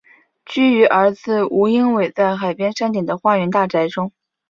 居于儿子吴英伟在海边山顶的花园大宅中。